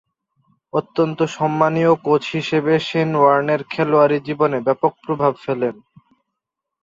অত্যন্ত সম্মানীয় কোচ হিসেবে শেন ওয়ার্নের খেলোয়াড়ী জীবনে ব্যাপক প্রভাব ফেলেন।